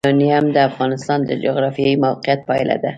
یورانیم د افغانستان د جغرافیایي موقیعت پایله ده.